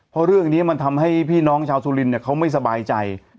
เพราะเรื่องนี้มันทำให้พี่น้องชาวดน๓๖๕๒เนี้ยเค้าไม่สบายใจ